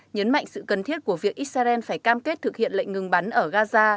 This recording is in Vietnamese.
nhấn mạnh sự cần thiết của việc israel phải cam kết thực hiện lệnh ngừng bắn ở gaza